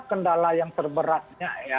kendala yang terberatnya